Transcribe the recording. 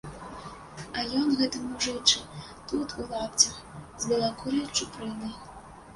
А ён, гэты мужычы, тут, у лапцях, з белакурай чупрынай.